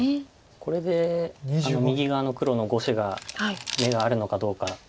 これで右側の黒の５子が眼があるのかどうか。